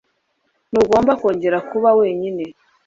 Ntugomba kongera kuba wenyine